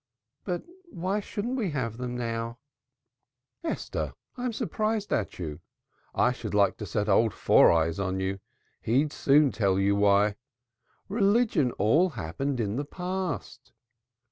"But why shouldn't we have them now?" "Esther, I'm surprised at you. I should like to set Old Four Eyes on to you. He'd soon tell you why. Religion all happened in the past.